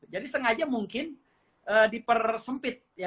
jadi sengaja mungkin dipersempit